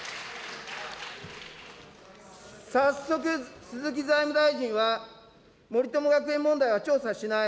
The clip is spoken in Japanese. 早速、鈴木財務大臣は、森友学園問題は調査しない。